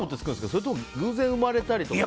それとも偶然生まれたりとか？